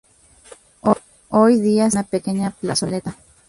Hoy día, se halla una pequeña plazoleta.